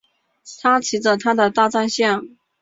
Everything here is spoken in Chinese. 他骑着他的大战象。